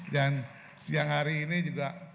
dan siang hari ini juga